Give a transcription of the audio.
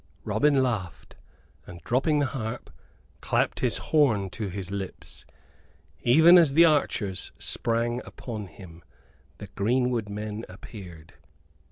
Robin laughed and, dropping the harp, clapped his horn to his lips. Even as the archers sprang upon him, the greenwood men appeared.